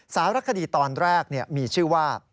สารคดีตอนแรกมีชื่อว่า